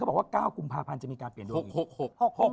โหลดแล้วคุณราคาโหลดแล้วยัง